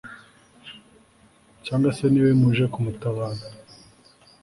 cyangwa se ni mwe muje kumutabara